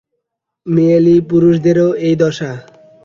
মেয়েলি পুরুষদেরও এই দশা।